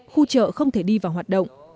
khu chợ không thể đi và hoạt động